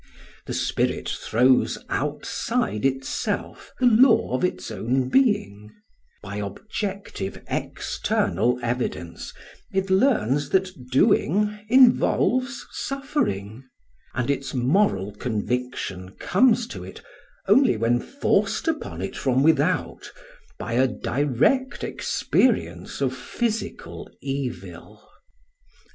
The spirit throws outside itself the law of its own being; by objective external evidence it learns that doing involves suffering; and its moral conviction comes to it only when forced upon it from without by a direct experience of physical evil.